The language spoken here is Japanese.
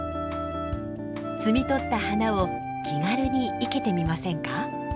摘み取った花を気軽に生けてみませんか？